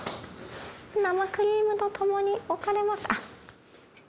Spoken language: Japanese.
生クリームとともに置かれましたあっ。